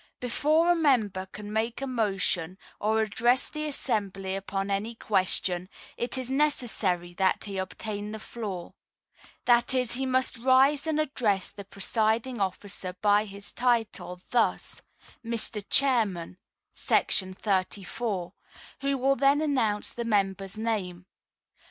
Before a member can make a motion or address the assembly upon any question, it is necessary that he obtain the floor; that is, he must rise and address the presiding officer by his title, thus: "Mr. Chairman" [§ 34], who will then announce the member's name.